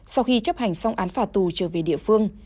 sau khi chấp hành xong án phạt tù trở về địa phương